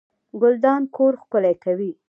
ګلدان کور ښکلی کوي